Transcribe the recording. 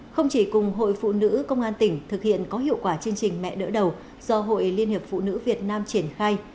không chỉ cùng hội phụ nữ công an tỉnh thực hiện có hiệu quả chương trình mẹ đỡ đầu do hội liên hiệp phụ nữ việt nam triển khai